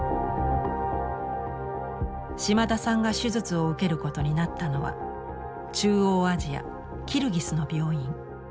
島田さんが手術を受けることになったのは中央アジアキルギスの病院。